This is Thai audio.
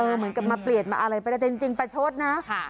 เออเหมือนกับมาเปลี่ยนมาอะไรไปแต่จริงจริงประชดนะค่ะ